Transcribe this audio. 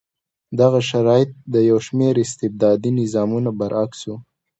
دغه شرایط د یو شمېر استبدادي نظامونو برعکس و.